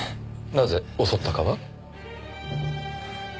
なぜ襲ったかは？